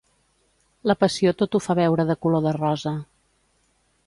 La passió tot ho fa veure de color de rosa.